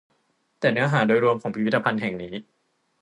แต่เนื้อหาโดยรวมของพิพิธภัณฑ์แห่งนี้